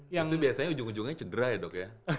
itu biasanya ujung ujungnya cedera ya dok ya